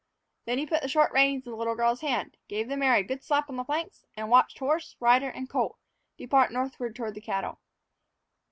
Then he put the short reins into the little girl's hands, gave the mare a good slap on the flanks, and watched horse, rider, and colt depart northward toward the cattle.